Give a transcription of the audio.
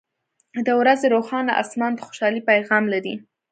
• د ورځې روښانه آسمان د خوشحالۍ پیغام لري.